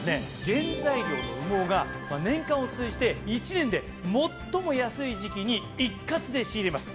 原材料の羽毛が年間を通じて１年で最も安い時期に一括で仕入れます。